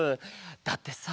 だってさ